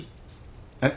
えっ？